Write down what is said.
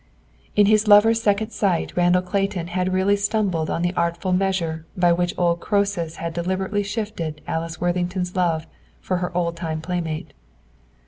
In his lover's second sight Randall Clayton had really stumbled on the artful measure by which the old Croesus had deliberately shifted Alice Worthington's love for her old time playmate.